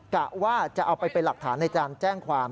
กะว่าจะเอาไปเป็นหลักฐานในการแจ้งความ